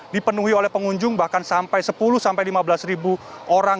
dipenuhi oleh pengunjung bahkan sampai sepuluh lima belas ribu orang